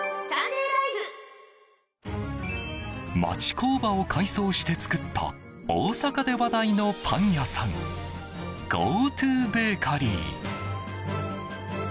工場を改装して作った大阪で話題のパン屋さんＧＯｔｏＢＡＫＥＲＹ。